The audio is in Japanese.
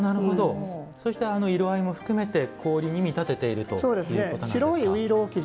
そして、色合いも含めて氷に見立てているということなんですか。